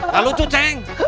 gak lucu ceng